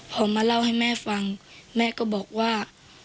พอมาเล่าให้แม่ฟังแม่ก็บอกว่า